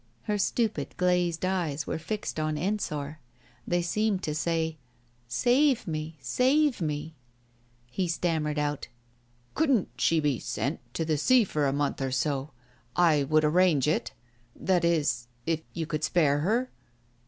Her stupid glazed eyes were fixed on Ensor. They seemed to say, "Save me 1 Save me !" He stammered out — "Couldn't she be sent to the sea for a month or so? ... I would arrange it. ... That is, if you could spare her